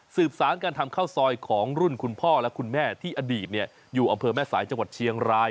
สารการทำข้าวซอยของรุ่นคุณพ่อและคุณแม่ที่อดีตอยู่อำเภอแม่สายจังหวัดเชียงราย